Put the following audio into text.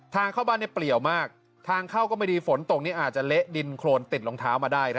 ทางเข้าบ้านเปลี่ยวมากทางเข้าก็ไม่ดีฝนตกนี่อาจจะเละดินโครนติดรองเท้ามาได้